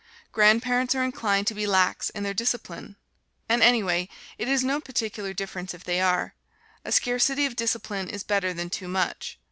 Grandparents are inclined to be lax in their discipline. And anyway it is no particular difference if they are: a scarcity of discipline is better than too much.